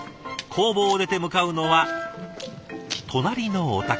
工房を出て向かうのは隣のお宅。